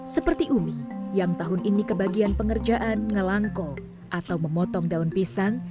seperti umi yang tahun ini kebagian pengerjaan ngelangko atau memotong daun pisang